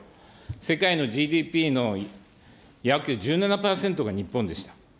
世界のＧＤＰの約１７％が日本でした。